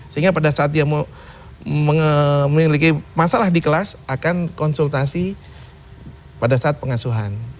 sehingga pada saat dia memiliki masalah di kelas akan konsultasi pada saat pengasuhan